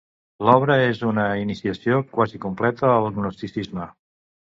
L'obra és una iniciació quasi completa al gnosticisme.